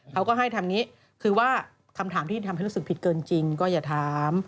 เขาก็ให้ทำนี้คือว่าคำถามที่ทำให้รู้สึกผิดเกินจริงก็อย่าถาม